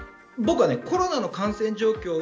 僕はコロナの感染状況